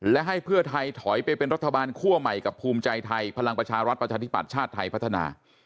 และให้เพื่อไทยถอยไปเป็นรัฐบาลคั่วใหม่กับภูมิใจไทยพลังประชารัฐประชาธิบัติชาติไทยพัฒนา